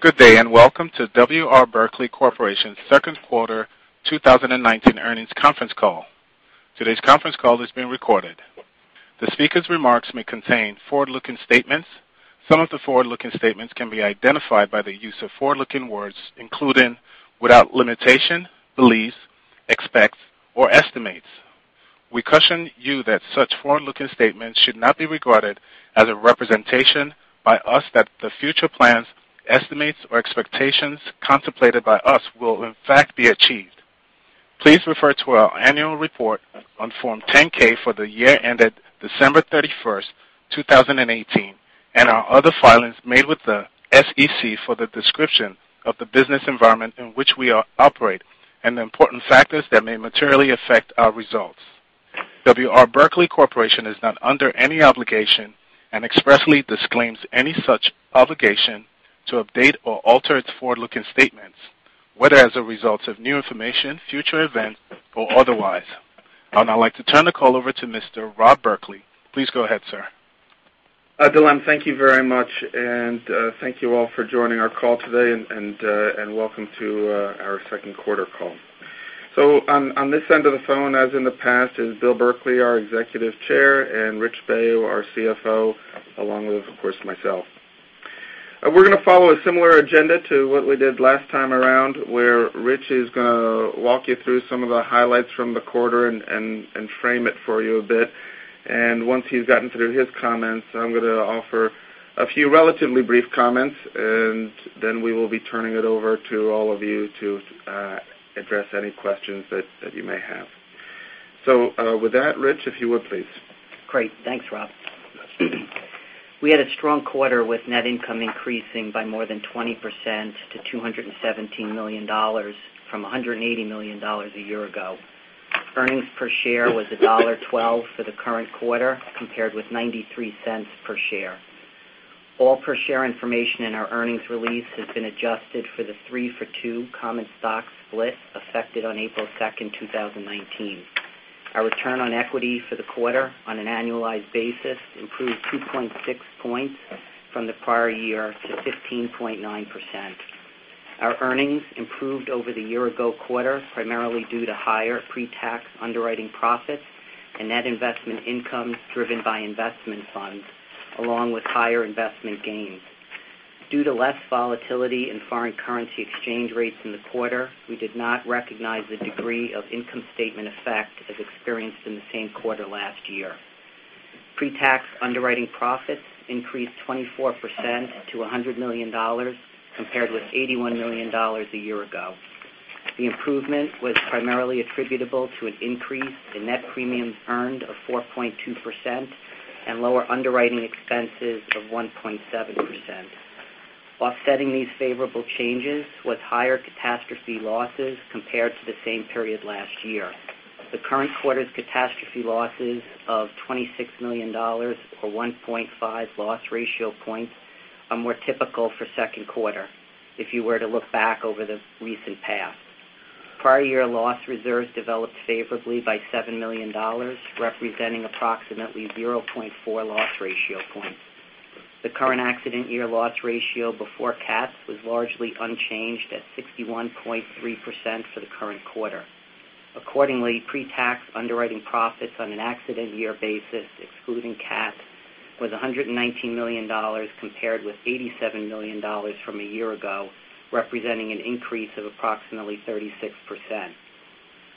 Good day, welcome to W. R. Berkley Corporation's second quarter 2019 earnings conference call. Today's conference call is being recorded. The speakers' remarks may contain forward-looking statements. Some of the forward-looking statements can be identified by the use of forward-looking words, including, without limitation, beliefs, expects or estimates. We caution you that such forward-looking statements should not be regarded as a representation by us that the future plans, estimates or expectations contemplated by us will in fact be achieved. Please refer to our annual report on Form 10-K for the year ended December 31st, 2018, and our other filings made with the SEC for the description of the business environment in which we operate and the important factors that may materially affect our results. W. R. Berkley Corporation is not under any obligation and expressly disclaims any such obligation to update or alter its forward-looking statements, whether as a result of new information, future events, or otherwise. I'd now like to turn the call over to Mr. Rob Berkley. Please go ahead, sir. Dylan, thank you very much, thank you all for joining our call today, welcome to our second quarter call. On this end of the phone, as in the past, is Bill Berkley, our Executive Chair, Rich Baio, our CFO, along with, of course, myself. We're going to follow a similar agenda to what we did last time around, where Rich is going to walk you through some of the highlights from the quarter and frame it for you a bit. Once he's gotten through his comments, I'm going to offer a few relatively brief comments, then we will be turning it over to all of you to address any questions that you may have. With that, Rich, if you would please. Great. Thanks, Rob. We had a strong quarter with net income increasing by more than 20% to $217 million from $180 million a year ago. Earnings per share was $1.12 for the current quarter, compared with $0.93 per share. All per share information in our earnings release has been adjusted for the three-for-two common stock split affected on April 2nd, 2019. Our return on equity for the quarter on an annualized basis improved 2.6 points from the prior year to 15.9%. Our earnings improved over the year-ago quarter, primarily due to higher pre-tax underwriting profits and net investment income driven by investment funds, along with higher investment gains. Due to less volatility in foreign currency exchange rates in the quarter, we did not recognize the degree of income statement effect as experienced in the same quarter last year. Pre-tax underwriting profits increased 24% to $100 million, compared with $81 million a year ago. The improvement was primarily attributable to an increase in net premiums earned of 4.2% and lower underwriting expenses of 1.7%. Offsetting these favorable changes was higher catastrophe losses compared to the same period last year. The current quarter's catastrophe losses of $26 million, or 1.5 loss ratio points, are more typical for second quarter, if you were to look back over the recent past. Prior year loss reserves developed favorably by $7 million, representing approximately 0.4 loss ratio points. The current accident year loss ratio before cats was largely unchanged at 61.3% for the current quarter. Pre-tax underwriting profits on an accident year basis, excluding cats, was $119 million compared with $87 million from a year ago, representing an increase of approximately 36%.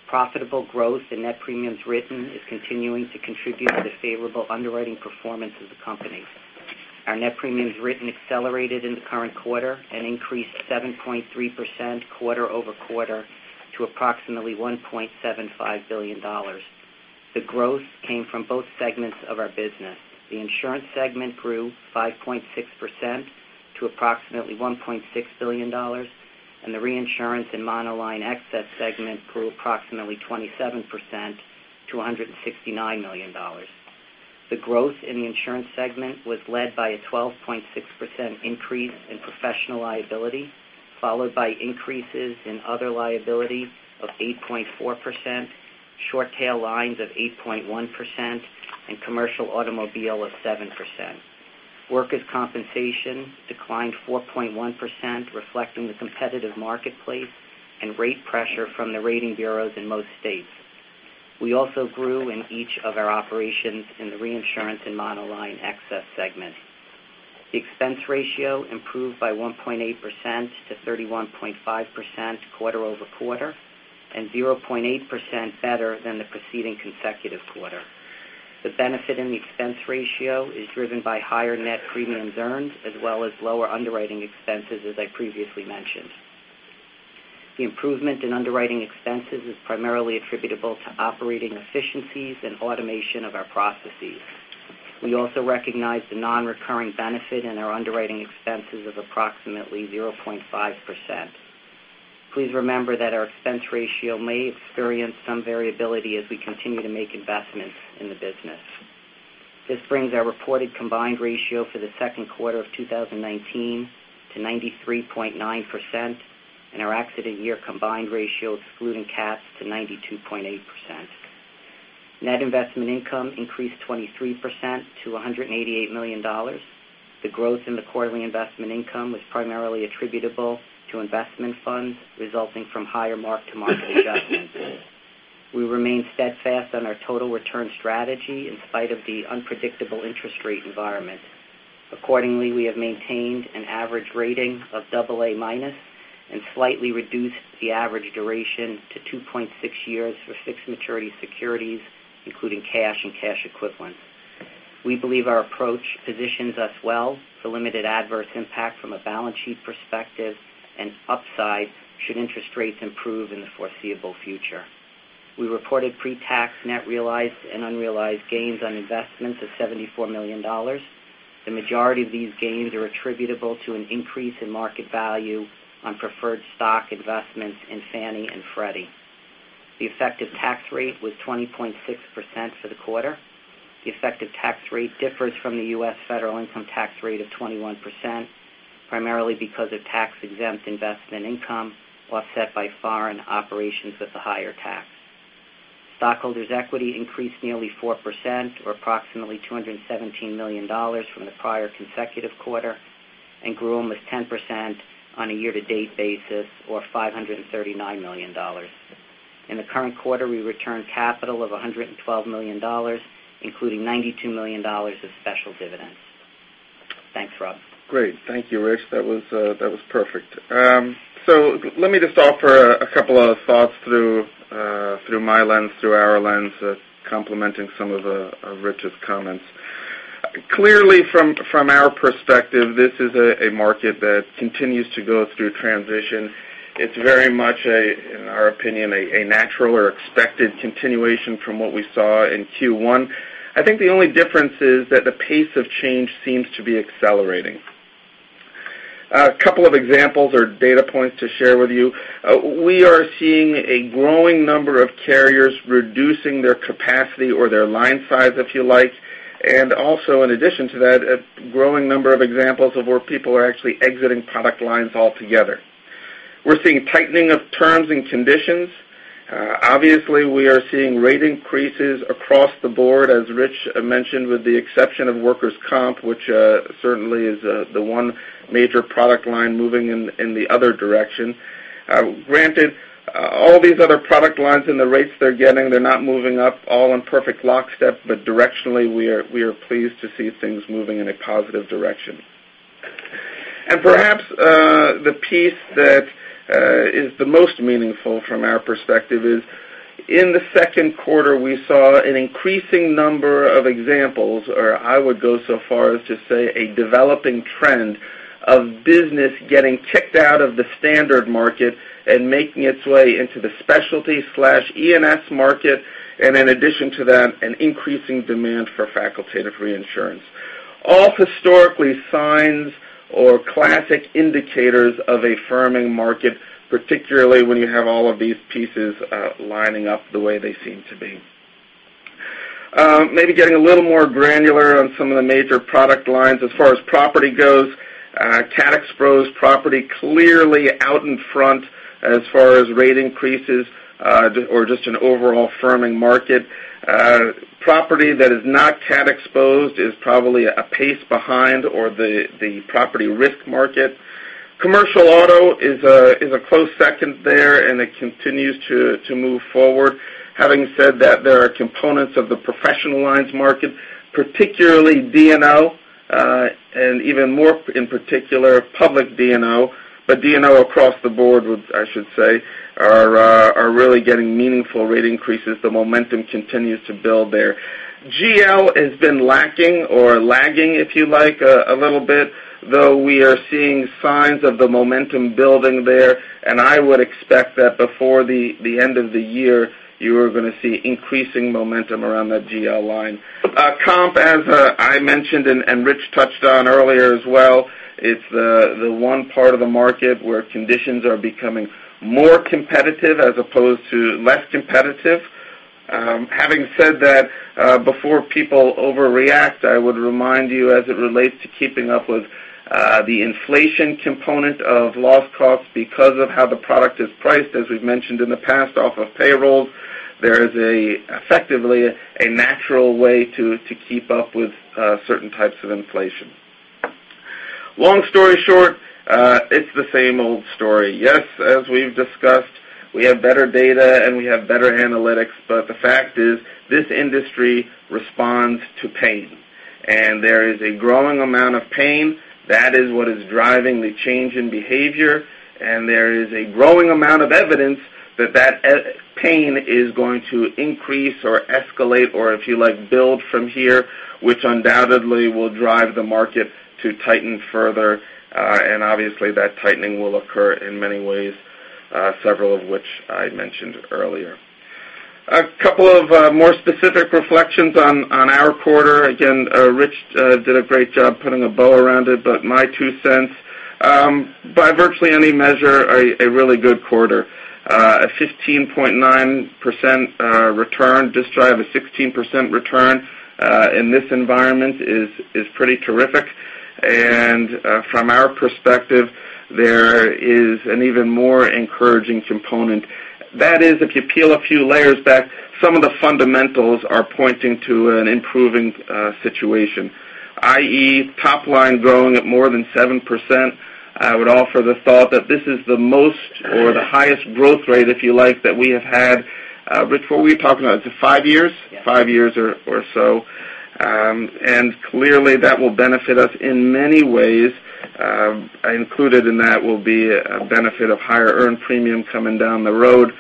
Profitable growth in net premiums written is continuing to contribute to the favorable underwriting performance of the company. Our net premiums written accelerated in the current quarter increased 7.3% quarter-over-quarter to approximately $1.75 billion. The growth came from both segments of our business. The insurance segment grew 5.6% to approximately $1.6 billion, the reinsurance and monoline excess segment grew approximately 27% to $169 million. The growth in the insurance segment was led by a 12.6% increase in professional liability, followed by increases in other liability of 8.4%, short tail lines of 8.1%, and commercial automobile of 7%. Workers' compensation declined 4.1%, reflecting the competitive marketplace and rate pressure from the rating bureaus in most states. We also grew in each of our operations in the reinsurance and monoline excess segment. The expense ratio improved by 1.8% to 31.5% quarter-over-quarter 0.8% better than the preceding consecutive quarter. The benefit in the expense ratio is driven by higher net premiums earned as well as lower underwriting expenses, as I previously mentioned. The improvement in underwriting expenses is primarily attributable to operating efficiencies and automation of our processes. We also recognize the non-recurring benefit in our underwriting expenses of approximately 0.5%. Please remember that our expense ratio may experience some variability as we continue to make investments in the business. This brings our reported combined ratio for the second quarter of 2019 to 93.9% and our accident year combined ratio excluding cats to 92.8%. Net investment income increased 23% to $188 million. The growth in the quarterly investment income was primarily attributable to investment funds resulting from higher mark-to-market adjustments. We remain steadfast on our total return strategy in spite of the unpredictable interest rate environment. We have maintained an average rating of AA- and slightly reduced the average duration to 2.6 years for fixed maturity securities, including cash and cash equivalents. We believe our approach positions us well for limited adverse impact from a balance sheet perspective and upside should interest rates improve in the foreseeable future. We reported pre-tax net realized and unrealized gains on investments of $74 million. The majority of these gains are attributable to an increase in market value on preferred stock investments in Fannie and Freddie. The effective tax rate was 20.6% for the quarter. The effective tax rate differs from the U.S. federal income tax rate of 21%, primarily because of tax-exempt investment income offset by foreign operations with a higher tax. Stockholders equity increased nearly 4%, or approximately $217 million from the prior consecutive quarter and grew almost 10% on a year-to-date basis or $539 million. In the current quarter, we returned capital of $112 million, including $92 million of special dividends. Thanks, Rob. Great. Thank you, Rich. That was perfect. Let me just offer a couple of thoughts through my lens, through our lens, complementing some of Rich's comments. Clearly, from our perspective, this is a market that continues to go through transition. It's very much, in our opinion, a natural or expected continuation from what we saw in Q1. I think the only difference is that the pace of change seems to be accelerating. A couple of examples or data points to share with you. We are seeing a growing number of carriers reducing their capacity or their line size, if you like. Also in addition to that, a growing number of examples of where people are actually exiting product lines altogether. We're seeing tightening of terms and conditions. Obviously, we are seeing rate increases across the board, as Rich mentioned, with the exception of workers' comp, which certainly is the one major product line moving in the other direction. Granted, all these other product lines and the rates they're getting, they're not moving up all in perfect lockstep, but directionally, we are pleased to see things moving in a positive direction. Perhaps the piece that is the most meaningful from our perspective is, in the second quarter, we saw an increasing number of examples, or I would go so far as to say a developing trend of business getting kicked out of the standard market and making its way into the specialty/ENS market. In addition to that, an increasing demand for facultative reinsurance. All historically signs or classic indicators of a firming market, particularly when you have all of these pieces lining up the way they seem to be. Maybe getting a little more granular on some of the major product lines. As far as property goes, cat exposed property clearly out in front as far as rate increases, or just an overall firming market. Property that is not cat exposed is probably a pace behind or the property risk market. Commercial auto is a close second there, it continues to move forward. Having said that, there are components of the professional lines market, particularly D&O, and even more in particular, public D&O. D&O across the board, I should say, are really getting meaningful rate increases. The momentum continues to build there. GL has been lacking or lagging, if you like, a little bit, though we are seeing signs of the momentum building there. I would expect that before the end of the year, you are going to see increasing momentum around that GL line. Comp, as I mentioned and Rich touched on earlier as well, it's the one part of the market where conditions are becoming more competitive as opposed to less competitive. Having said that, before people overreact, I would remind you as it relates to keeping up with the inflation component of loss costs because of how the product is priced, as we've mentioned in the past, off of payrolls. There is effectively a natural way to keep up with certain types of inflation. Long story short, it's the same old story. Yes, as we've discussed, we have better data and we have better analytics, but the fact is this industry responds to pain. There is a growing amount of pain. That is what is driving the change in behavior. There is a growing amount of evidence that pain is going to increase or escalate or, if you like, build from here, which undoubtedly will drive the market to tighten further. Obviously, that tightening will occur in many ways, several of which I mentioned earlier. A couple of more specific reflections on our quarter. Rich did a great job putting a bow around it, but my two cents. By virtually any measure, a really good quarter. A 15.9% return, just shy of a 16% return, in this environment is pretty terrific. From our perspective, there is an even more encouraging component. That is, if you peel a few layers back, some of the fundamentals are pointing to an improving situation, i.e., top line growing at more than 7%. I would offer the thought that this is the most or the highest growth rate, if you like, that we have had. Rich, what are we talking about? Is it five years? Yes. Five years or so. Clearly, that will benefit us in many ways. Included in that will be a benefit of higher earned premium coming down the road,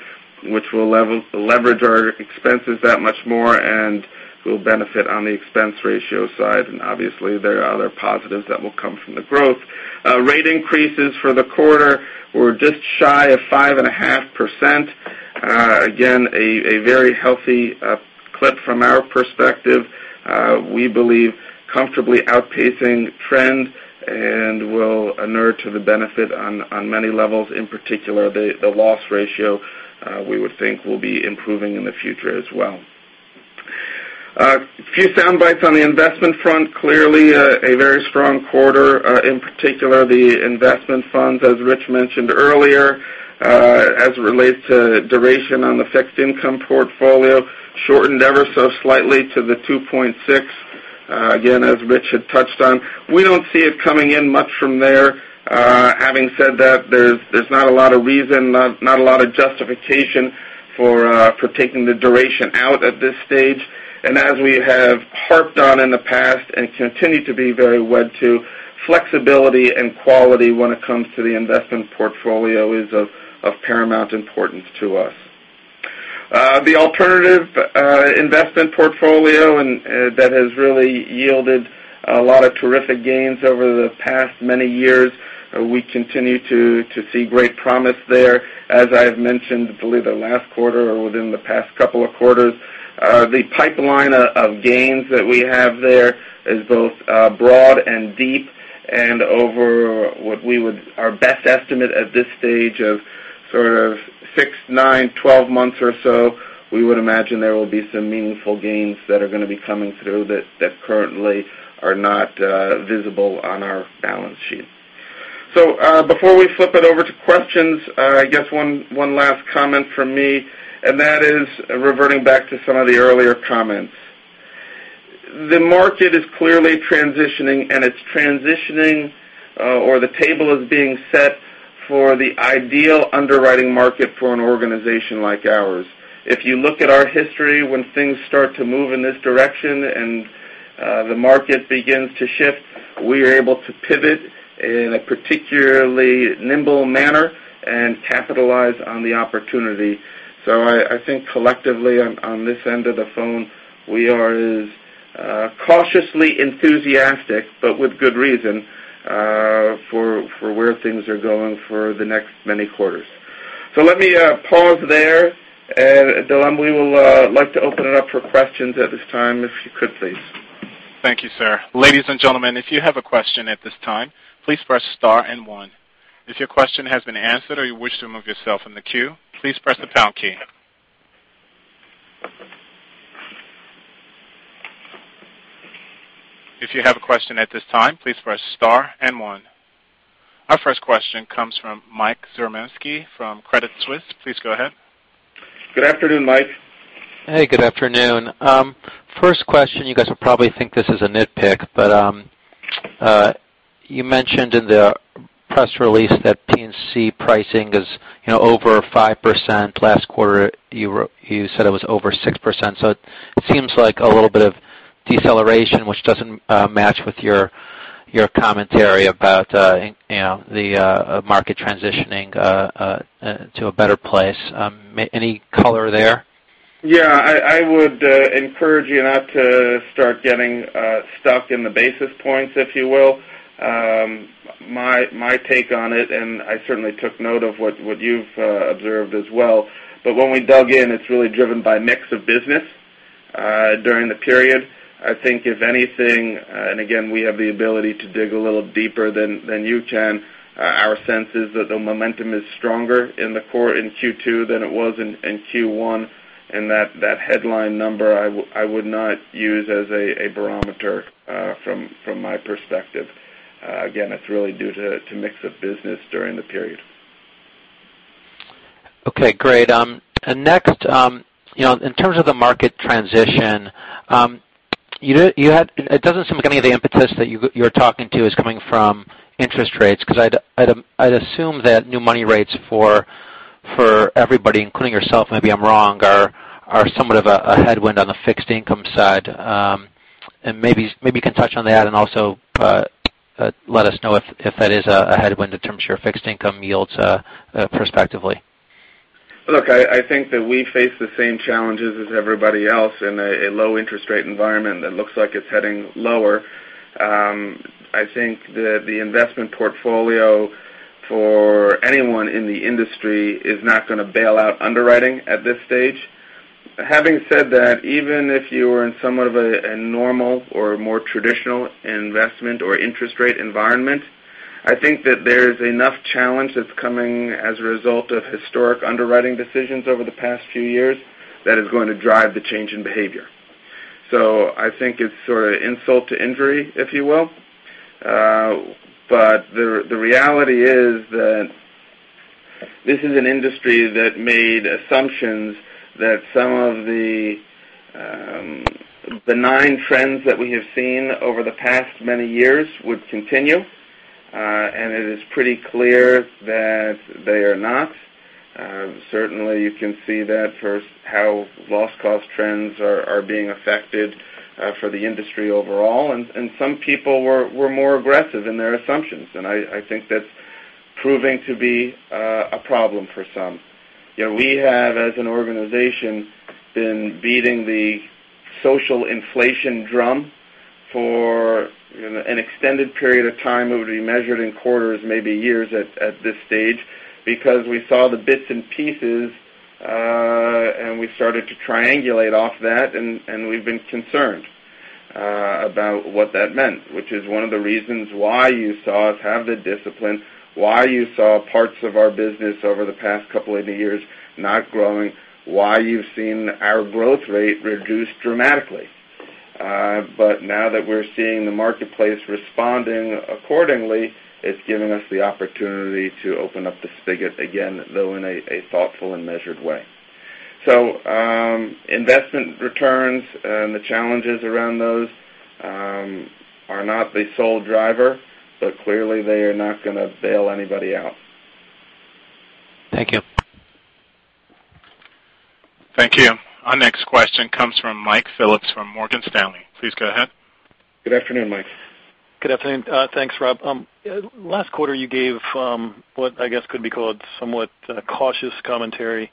which will leverage our expenses that much more and will benefit on the expense ratio side. Obviously, there are other positives that will come from the growth. Rate increases for the quarter were just shy of 5.5%. A very healthy clip from our perspective. We believe comfortably outpacing trend and will inure to the benefit on many levels. In particular, the loss ratio, we would think will be improving in the future as well. A few soundbites on the investment front. Clearly, a very strong quarter, in particular, the investment funds, as Rich mentioned earlier. As it relates to duration on the fixed income portfolio, shortened ever so slightly to the 2.6. As Rich had touched on. We don't see it coming in much from there. Having said that, there's not a lot of reason, not a lot of justification for taking the duration out at this stage. As we have harped on in the past and continue to be very wed to, flexibility and quality when it comes to the investment portfolio is of paramount importance to us. The alternative investment portfolio that has really yielded a lot of terrific gains over the past many years, we continue to see great promise there. As I've mentioned, believe that last quarter or within the past couple of quarters, the pipeline of gains that we have there is both broad and deep and over what our best estimate at this stage of sort of six, nine, 12 months or so, we would imagine there will be some meaningful gains that are going to be coming through that currently are not visible on our balance sheet. Before we flip it over to questions, I guess one last comment from me, and that is reverting back to some of the earlier comments. The market is clearly transitioning, and it's transitioning or the table is being set for the ideal underwriting market for an organization like ours. If you look at our history, when things start to move in this direction and the market begins to shift, we are able to pivot in a particularly nimble manner and capitalize on the opportunity. I think collectively on this end of the phone, we are as cautiously enthusiastic, but with good reason, for where things are going for the next many quarters. Let me pause there, and Dylan, we would like to open it up for questions at this time, if you could, please. Thank you, sir. Ladies and gentlemen, if you have a question at this time, please press star and one. If your question has been answered or you wish to remove yourself from the queue, please press the pound key. If you have a question at this time, please press star and one. Our first question comes from Michael Zaremski from Credit Suisse. Please go ahead. Good afternoon, Mike. Hey, good afternoon. First question, you guys will probably think this is a nitpick, but you mentioned in the press release that P&C pricing is over 5%. Last quarter, you said it was over 6%. It seems like a little bit of deceleration, which doesn't match with your commentary about the market transitioning to a better place. Any color there? Yeah, I would encourage you not to start getting stuck in the basis points, if you will. My take on it, and I certainly took note of what you've observed as well. When we dug in, it's really driven by mix of business during the period. I think if anything, and again, we have the ability to dig a little deeper than you can, our sense is that the momentum is stronger in Q2 than it was in Q1, and that headline number I would not use as a barometer from my perspective. It's really due to mix of business during the period. Okay, great. Next, in terms of the market transition, it doesn't seem like any of the impetus that you're talking to is coming from interest rates, because I'd assume that new money rates for everybody, including yourself, maybe I'm wrong, are somewhat of a headwind on the fixed income side. Maybe you can touch on that and also let us know if that is a headwind in terms of your fixed income yields perspectively. Look, I think that we face the same challenges as everybody else in a low interest rate environment that looks like it's heading lower. I think that the investment portfolio for anyone in the industry is not going to bail out underwriting at this stage. Having said that, even if you were in somewhat of a normal or more traditional investment or interest rate environment I think that there's enough challenge that's coming as a result of historic underwriting decisions over the past few years that is going to drive the change in behavior. I think it's sort of insult to injury, if you will. The reality is that this is an industry that made assumptions that some of the benign trends that we have seen over the past many years would continue, and it is pretty clear that they are not. Certainly, you can see that for how loss cost trends are being affected for the industry overall. Some people were more aggressive in their assumptions, and I think that's proving to be a problem for some. We have, as an organization, been beating the social inflation drum for an extended period of time. It would be measured in quarters, maybe years, at this stage, because we saw the bits and pieces, and we started to triangulate off that, and we've been concerned about what that meant, which is one of the reasons why you saw us have the discipline, why you saw parts of our business over the past couple of years not growing, why you've seen our growth rate reduce dramatically. Now that we're seeing the marketplace responding accordingly, it's given us the opportunity to open up the spigot again, though in a thoughtful and measured way. Investment returns and the challenges around those are not the sole driver, but clearly they are not going to bail anybody out. Thank you. Thank you. Our next question comes from Michael Phillips from Morgan Stanley. Please go ahead. Good afternoon, Mike. Good afternoon. Thanks, Rob. Last quarter, you gave what I guess could be called somewhat cautious commentary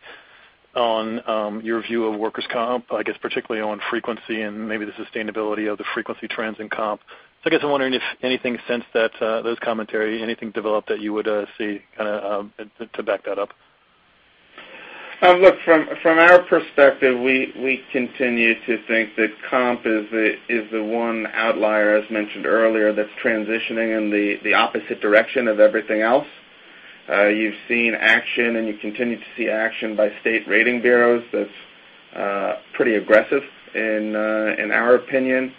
on your view of workers' comp, I guess particularly on frequency and maybe the sustainability of the frequency trends in comp. I guess I'm wondering if anything since those commentary, anything developed that you would see to back that up. Look, from our perspective, we continue to think that comp is the one outlier, as mentioned earlier, that's transitioning in the opposite direction of everything else. You've seen action, and you continue to see action by state rating bureaus that's pretty aggressive in our opinion.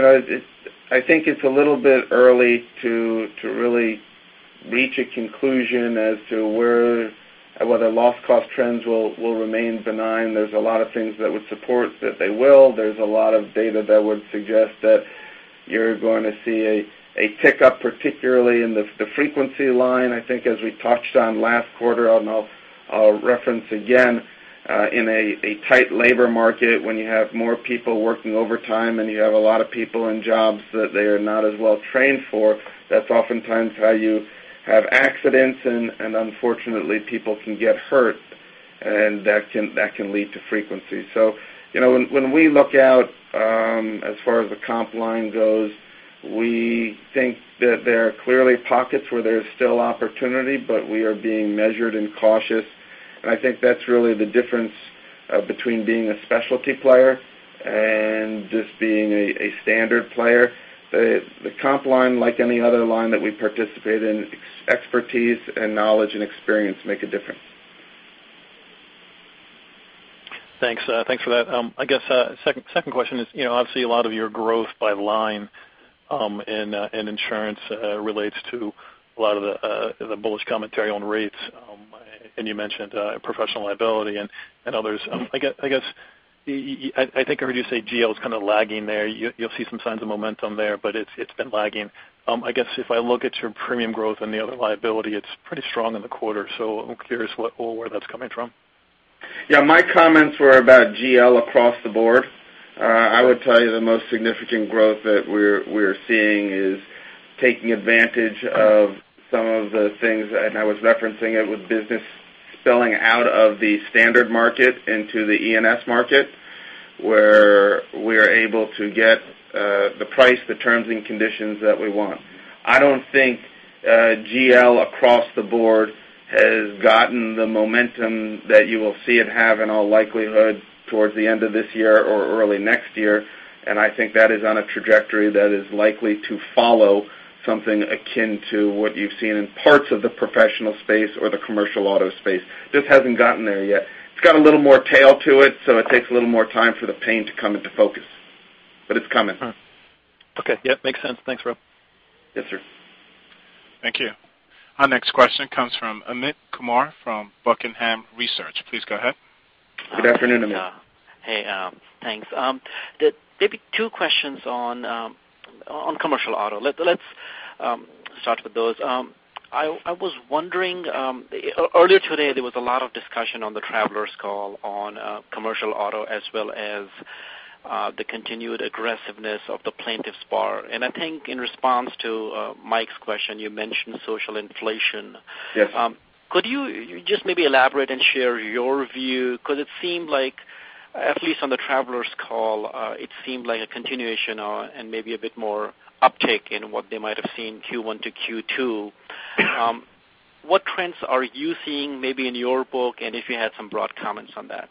I think it's a little bit early to really reach a conclusion as to whether loss cost trends will remain benign. There's a lot of things that would support that they will. There's a lot of data that would suggest that you're going to see a tick up, particularly in the frequency line. I think as we touched on last quarter and I'll reference again, in a tight labor market, when you have more people working overtime and you have a lot of people in jobs that they are not as well trained for, that's oftentimes how you have accidents and unfortunately, people can get hurt, and that can lead to frequency. When we look out as far as the comp line goes, we think that there are clearly pockets where there's still opportunity, but we are being measured and cautious. I think that's really the difference between being a specialty player and just being a standard player. The comp line, like any other line that we participate in, expertise and knowledge and experience make a difference. Thanks for that. I guess second question is, obviously a lot of your growth by line in insurance relates to a lot of the bullish commentary on rates. You mentioned professional liability and others. I think I heard you say GL is kind of lagging there. You'll see some signs of momentum there, but it's been lagging. I guess if I look at your premium growth and the other liability, it's pretty strong in the quarter. I'm curious where that's coming from. Yeah. My comments were about GL across the board. I would tell you the most significant growth that we're seeing is taking advantage of some of the things. I was referencing it with business spilling out of the standard market into the ENS market, where we are able to get the price, the terms, and conditions that we want. I don't think GL across the board has gotten the momentum that you will see it have in all likelihood towards the end of this year or early next year. I think that is on a trajectory that is likely to follow something akin to what you've seen in parts of the professional space or the commercial auto space. Just hasn't gotten there yet. It's got a little more tail to it, so it takes a little more time for the pain to come into focus. It's coming. Okay. Yeah, makes sense. Thanks, Rob. Yes, sir. Thank you. Our next question comes from Amit Kumar from Buckingham Research. Please go ahead. Good afternoon, Amit. Hey. Thanks. Maybe two questions on commercial auto. Let's start with those. I was wondering, earlier today, there was a lot of discussion on the Travelers call on commercial auto as well as the continued aggressiveness of the plaintiffs bar. I think in response to Mike's question, you mentioned social inflation. Yes. Could you just maybe elaborate and share your view? Because it seemed like, at least on the Travelers call, it seemed like a continuation and maybe a bit more uptick in what they might have seen Q1 to Q2. What trends are you seeing maybe in your book and if you had some broad comments on that?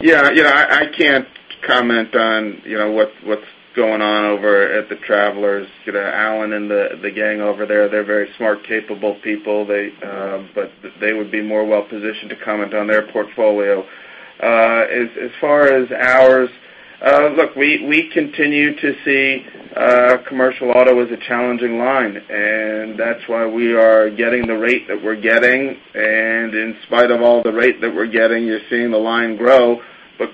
Yeah. I can't comment on what's going on over at the Travelers. Alan and the gang over there, they're very smart, capable people, but they would be more well-positioned to comment on their portfolio. As far as ours, look, we continue to see commercial auto as a challenging line, that's why we are getting the rate that we're getting. In spite of all the rate that we're getting, you're seeing the line grow.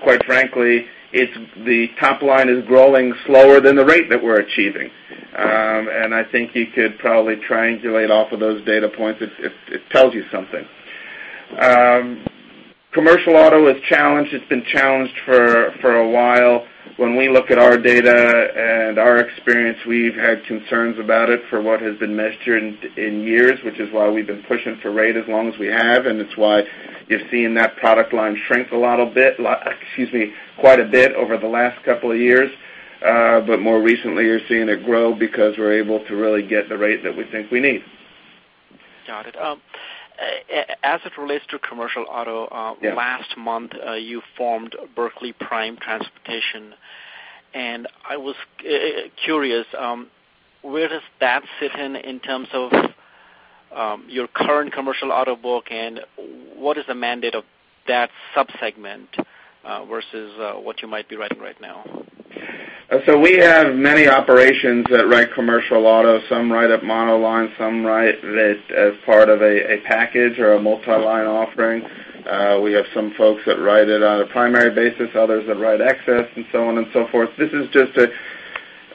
Quite frankly, the top line is growing slower than the rate that we're achieving. I think you could probably triangulate off of those data points. It tells you something. Commercial auto is challenged. It's been challenged for a while. When we look at our data and our experience, we've had concerns about it for what has been measured in years, which is why we've been pushing for rate as long as we have, and it's why you're seeing that product line shrink quite a bit over the last couple of years. More recently, you're seeing it grow because we're able to really get the rate that we think we need. Got it. As it relates to commercial auto- Yes I was curious, where does that sit in terms of your current commercial auto book, and what is the mandate of that sub-segment versus what you might be writing right now? We have many operations that write commercial auto. Some write up monoline, some write it as part of a package or a multi-line offering. We have some folks that write it on a primary basis, others that write excess, and so on and so forth. This is just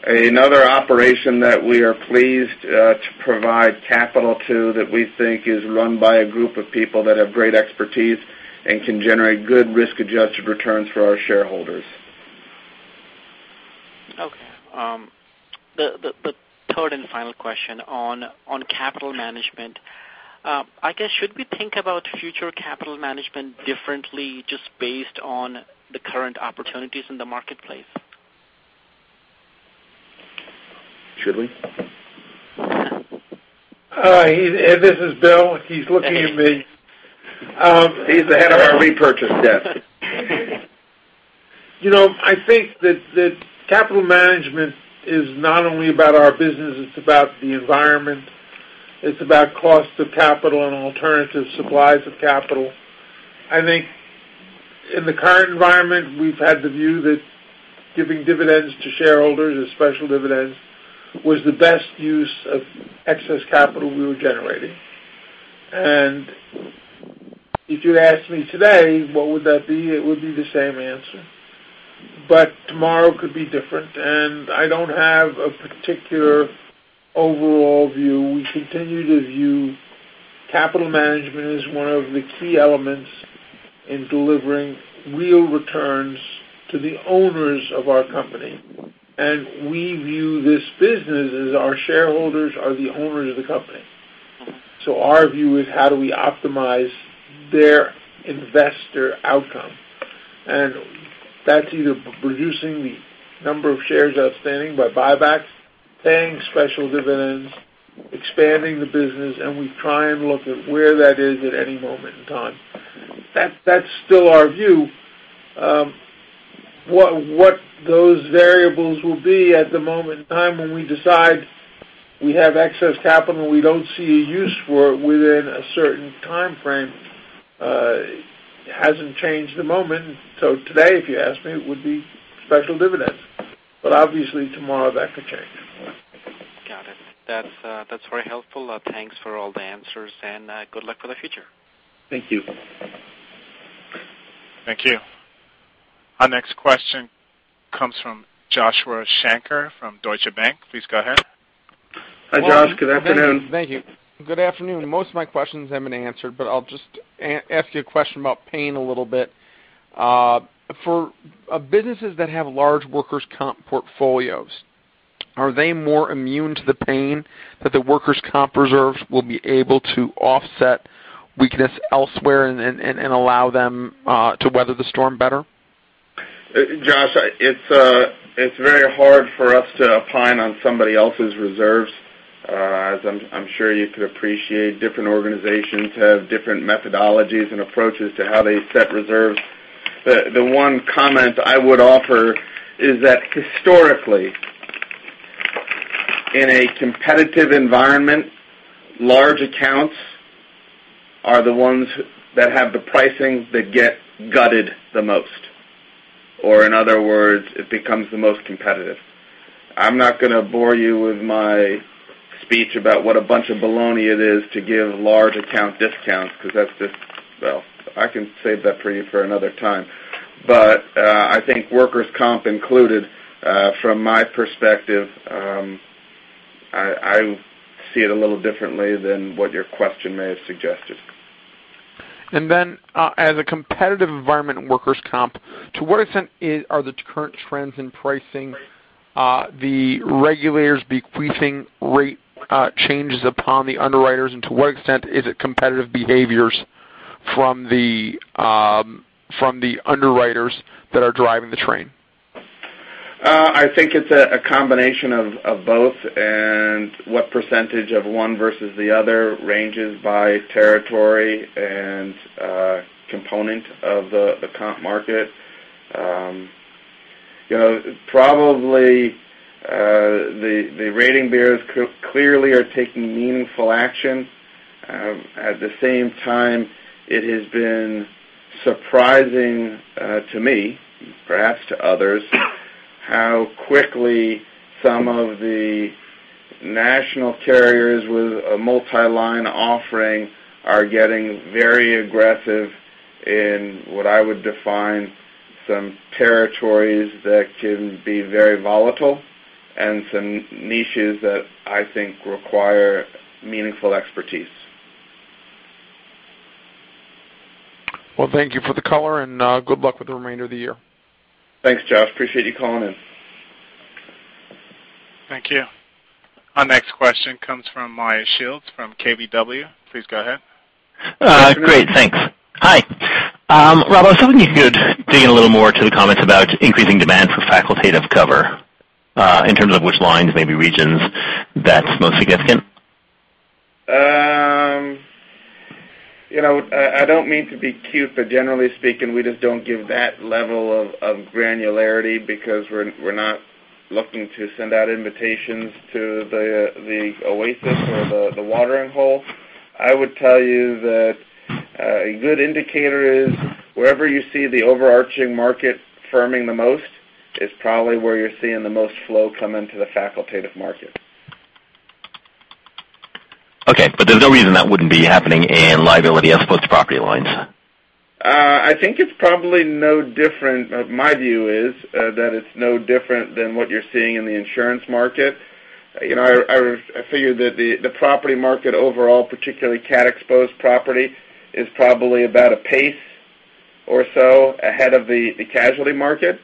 another operation that we are pleased to provide capital to, that we think is run by a group of people that have great expertise and can generate good risk-adjusted returns for our shareholders. Okay. The third and final question on capital management. I guess, should we think about future capital management differently just based on the current opportunities in the marketplace? Should we? This is Bill. He's looking at me. He's the head of our repurchase desk. I think that capital management is not only about our business, it's about the environment, it's about cost of capital and alternative supplies of capital. I think in the current environment, we've had the view that giving dividends to shareholders as special dividends was the best use of excess capital we were generating. If you asked me today, what would that be? It would be the same answer. Tomorrow could be different, and I don't have a particular overall view. We continue to view capital management as one of the key elements in delivering real returns to the owners of our company. We view this business as our shareholders are the owners of the company. Our view is how do we optimize their investor outcome? That's either reducing the number of shares outstanding by buybacks, paying special dividends, expanding the business, and we try and look at where that is at any moment in time. That's still our view. What those variables will be at the moment in time when we decide we have excess capital we don't see a use for within a certain time frame, hasn't changed a moment. Today, if you ask me, it would be special dividends. Obviously tomorrow that could change. Got it. That's very helpful. Thanks for all the answers and good luck for the future. Thank you. Thank you. Our next question comes from Joshua Shanker from Deutsche Bank. Please go ahead. Hi, Josh. Good afternoon. Thank you. Good afternoon. Most of my questions have been answered, I'll just ask you a question about pain a little bit. For businesses that have large workers' comp portfolios, are they more immune to the pain that the workers' comp reserves will be able to offset weakness elsewhere and allow them to weather the storm better? Josh, it's very hard for us to opine on somebody else's reserves. As I'm sure you could appreciate, different organizations have different methodologies and approaches to how they set reserves. The one comment I would offer is that historically, in a competitive environment, large accounts are the ones that have the pricing that get gutted the most. In other words, it becomes the most competitive. I'm not going to bore you with my speech about what a bunch of baloney it is to give large account discounts because Well, I can save that for you for another time. I think workers' comp included, from my perspective, I see it a little differently than what your question may have suggested. Then, as a competitive environment in workers' comp, to what extent are the current trends in pricing the regulators bequeathing rate changes upon the underwriters, and to what extent is it competitive behaviors from the underwriters that are driving the train? I think it's a combination of both and what percentage of one versus the other ranges by territory and component of the comp market. Probably, the rating bureaus clearly are taking meaningful action. At the same time, it has been surprising to me, perhaps to others, how quickly some of the national carriers with a multi-line offering are getting very aggressive in what I would define some territories that can be very volatile and some niches that I think require meaningful expertise. Well, thank you for the color, and good luck with the remainder of the year. Thanks, Josh. Appreciate you calling in. Thank you. Our next question comes from Meyer Shields from KBW. Please go ahead. Great, thanks. Hi. Robert, I was hoping you could dig in a little more to the comments about increasing demand for facultative cover, in terms of which lines, maybe regions, that's most significant. I don't mean to be cute, generally speaking, we just don't give that level of granularity because we're not looking to send out invitations to the oasis or the watering hole. I would tell you that a good indicator is wherever you see the overarching market firming the most is probably where you're seeing the most flow come into the facultative market. Okay. There's no reason that wouldn't be happening in liability as opposed to property lines. I think it's probably no different. My view is that it's no different than what you're seeing in the insurance market. I figure that the property market overall, particularly cat-exposed property, is probably about a pace or so ahead of the casualty market,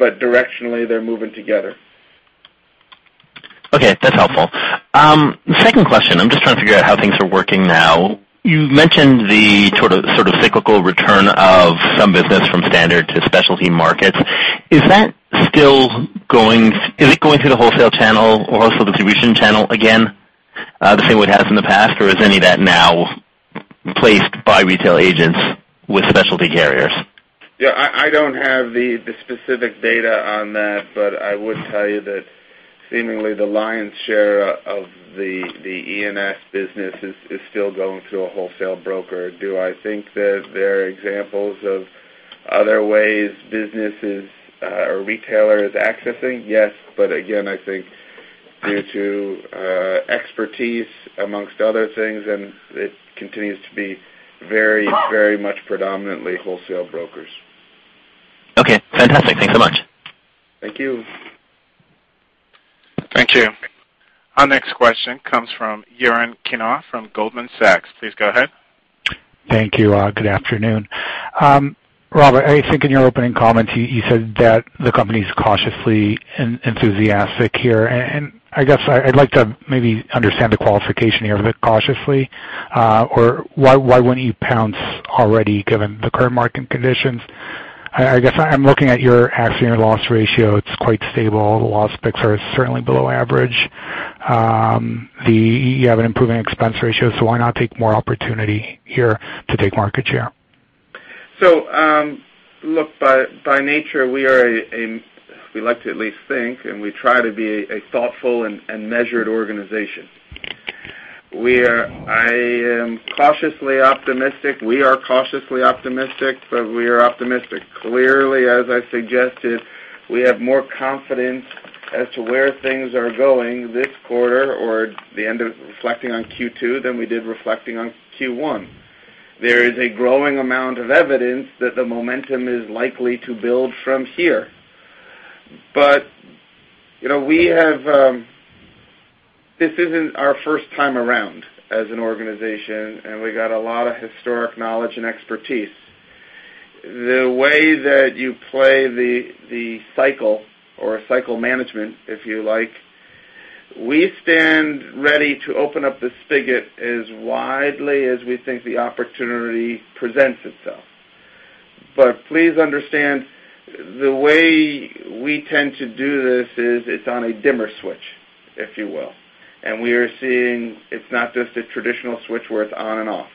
directionally, they're moving together. Okay. That's helpful. Second question. I'm just trying to figure out how things are working now. You mentioned the sort of cyclical return of some business from standard to specialty markets. Is it going through the wholesale channel or wholesale distribution channel again, the same way it has in the past, or is any of that now placed by retail agents with specialty carriers? Yeah, I don't have the specific data on that, but I would tell you that seemingly the lion's share of the ENS business is still going through a wholesale broker. Do I think that there are examples of other ways businesses or retailers accessing? Yes. Again, I think due to expertise, amongst other things, and it continues to be very much predominantly wholesale brokers. Okay, fantastic. Thanks so much. Thank you. Thank you. Our next question comes from Yaron Kinar from Goldman Sachs. Please go ahead. Thank you. Good afternoon. Robert, I think in your opening comments, you said that the company's cautiously enthusiastic here, and I guess I'd like to maybe understand the qualification here of it cautiously, or why wouldn't you pounce already given the current market conditions? I guess I'm looking at your accident loss ratio. It's quite stable. The loss picks are certainly below average. You have an improving expense ratio, why not take more opportunity here to take market share? Look, by nature, we like to at least think, and we try to be a thoughtful and measured organization. I am cautiously optimistic. We are cautiously optimistic, but we are optimistic. Clearly, as I suggested, we have more confidence as to where things are going this quarter or reflecting on Q2 than we did reflecting on Q1. There is a growing amount of evidence that the momentum is likely to build from here. This isn't our first time around as an organization, and we got a lot of historic knowledge and expertise. The way that you play the cycle or cycle management, if you like, we stand ready to open up the spigot as widely as we think the opportunity presents itself. Please understand, the way we tend to do this is it's on a dimmer switch, if you will. It's not just a traditional switch where it's on and off.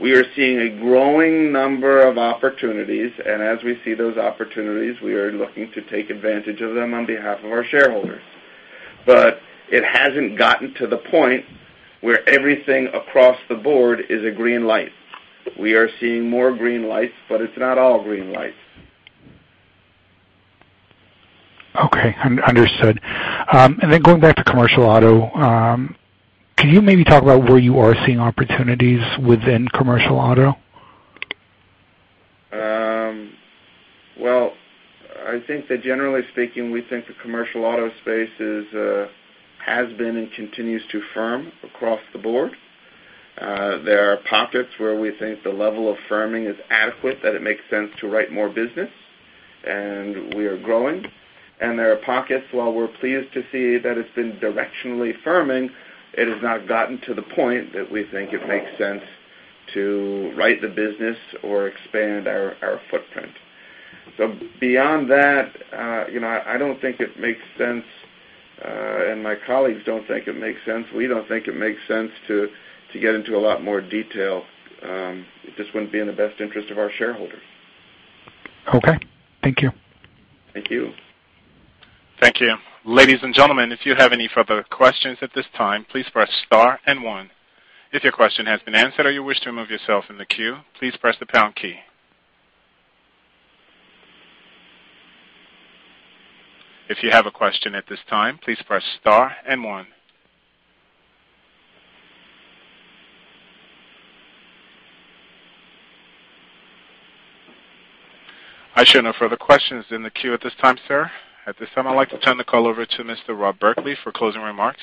We are seeing a growing number of opportunities, and as we see those opportunities, we are looking to take advantage of them on behalf of our shareholders. It hasn't gotten to the point where everything across the board is a green light. We are seeing more green lights, but it's not all green lights. Okay. Understood. Going back to commercial auto, can you maybe talk about where you are seeing opportunities within commercial auto? Well, I think that generally speaking, we think the commercial auto space has been and continues to firm across the board. There are pockets where we think the level of firming is adequate, that it makes sense to write more business, and we are growing. There are pockets, while we're pleased to see that it's been directionally firming, it has not gotten to the point that we think it makes sense to write the business or expand our footprint. Beyond that, I don't think it makes sense, and my colleagues don't think it makes sense. We don't think it makes sense to get into a lot more detail. It just wouldn't be in the best interest of our shareholders. Okay. Thank you. Thank you. Thank you. Ladies and gentlemen, if you have any further questions at this time, please press star and one. If your question has been answered or you wish to remove yourself from the queue, please press the pound key. If you have a question at this time, please press star and one. I show no further questions in the queue at this time, sir. At this time, I'd like to turn the call over to Mr. Rob Berkley for closing remarks.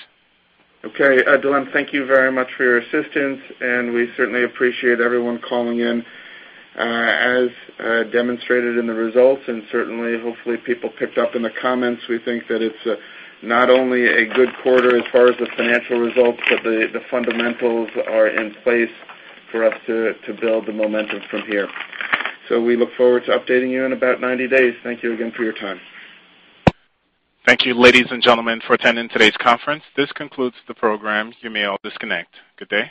Okay, Dylan, thank you very much for your assistance, and we certainly appreciate everyone calling in. As demonstrated in the results, and certainly, hopefully, people picked up in the comments, we think that it's not only a good quarter as far as the financial results, but the fundamentals are in place for us to build the momentum from here. We look forward to updating you in about 90 days. Thank you again for your time. Thank you, ladies and gentlemen, for attending today's conference. This concludes the program. You may all disconnect. Good day.